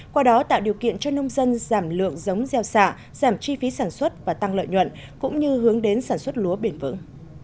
qua đó tạo điều kiện cho nông dân giảm lượng giống gieo xạ giảm chi phí sản xuất và tăng lợi nhuận cũng như hướng đến sản xuất lúa bền vững